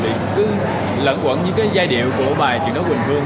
mình bị cứ lẫn quẩn những cái giai điệu của bài chuyện đó quỳnh phương